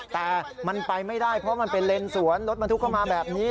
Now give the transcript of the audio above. แต่มันไปไม่ได้เพราะมันเป็นเลนสวนรถบรรทุกเข้ามาแบบนี้